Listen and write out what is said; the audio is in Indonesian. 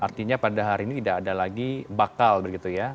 artinya pada hari ini tidak ada lagi bakal begitu ya